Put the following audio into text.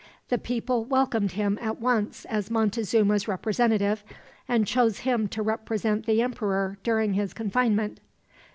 The people welcomed him, at once, as Montezuma's representative; and chose him to represent the emperor during his confinement.